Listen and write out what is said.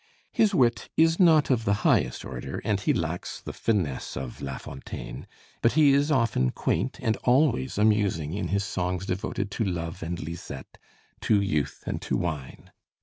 His wit is not of the highest order, and he lacks the finesse of La Fontaine, but he is often quaint and always amusing in his songs devoted to love and Lisette, to youth and to wine.